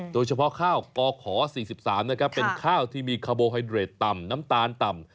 โดยเฉพาะข้าวกข๔๓นะครับเป็นข้าวที่มีคาโบไฮเดรดต่ำน้ำตาลต่ำ